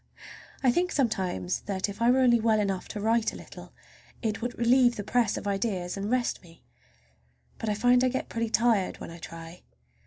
I think sometimes that if I were only well enough to write a little it would relieve the press of ideas and rest me. But I find I get pretty tired when I try.